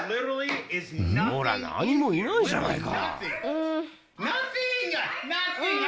ほら、何もいないじゃないか。